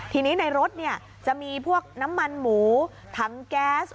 ทีนี้ในรถจะมีพวกน้ำมันหมูถังแก๊ส